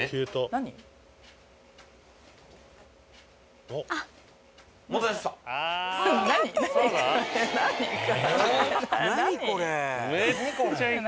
何これ。